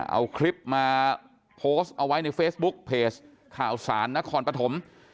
เอาคลิปมาโพสต์เอาไว้ในเฟซบุ๊กเพจข่าวสารนครปฐม